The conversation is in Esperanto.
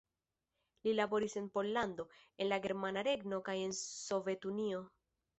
Li laboris en Pollando, en la Germana Regno kaj en Sovetunio.